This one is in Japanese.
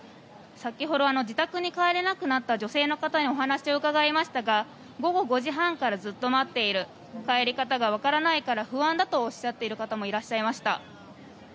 先ほど自宅に帰れなくなった女性の方にお話を伺いましたが午後５時半からずっと待っている帰り方がわからないから不安だとおっしゃっている方もいらっしゃいました。